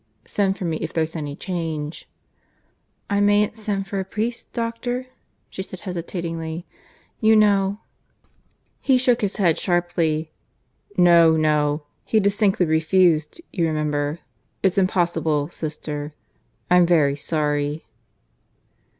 Send for me if there's any change." "I mayn't send for a priest, doctor?" she said hesitatingly. "You know " He shook his head sharply. "No, no. He distinctly refused, you remember. It's impossible, sister. ... I'm very sorry."